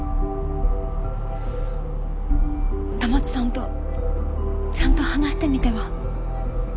戸松さんとちゃんと話してみては？